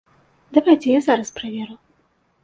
Давайце я зараз праверу.